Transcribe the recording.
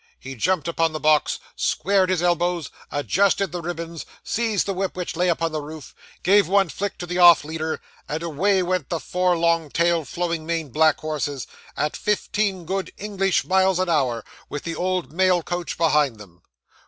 He jumped upon the box, squared his elbows, adjusted the ribands, seized the whip which lay on the roof, gave one flick to the off leader, and away went the four long tailed, flowing maned black horses, at fifteen good English miles an hour, with the old mail coach behind them.